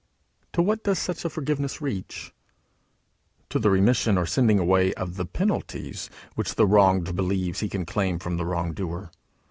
To what does such a forgiveness reach? To the remission or sending away of the penalties which the wronged believes he can claim from the wrong doer.